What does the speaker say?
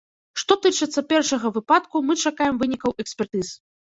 Што тычыцца першага выпадку, мы чакаем вынікаў экспертыз.